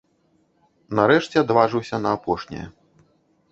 Нарэшце, адважыўся на апошняе.